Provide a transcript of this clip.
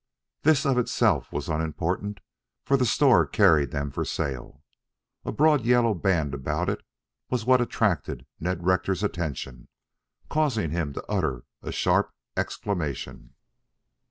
This of itself was unimportant, for the store carried them for sale. A broad, yellow band about it was what attracted Ned Rector's attention, causing him to utter a sharp exclamation.